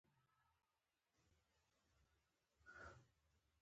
واوره د افغانستان په اوږده تاریخ کې ذکر شوې ده.